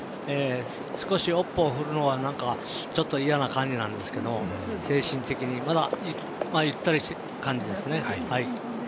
少し尾っぽを振るのは嫌な感じなんですけど精神的にゆったりした感じですね。